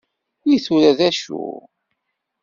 I tura d acu?